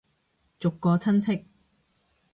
逐個親戚